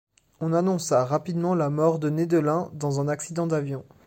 On annonça rapidement la mort de Nedelin dans un accident d'avion.